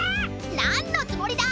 なんのつもりだ！